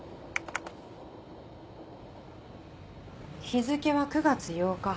日付は９月８日。